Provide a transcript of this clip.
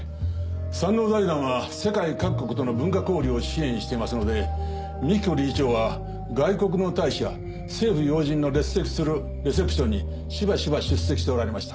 山王財団は世界各国との文化交流を支援していますので美紀子理事長は外国の大使や政府要人の列席するレセプションにしばしば出席しておられました。